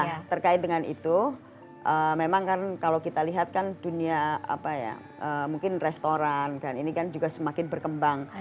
nah terkait dengan itu memang kan kalau kita lihat kan dunia apa ya mungkin restoran kan ini kan juga semakin berkembang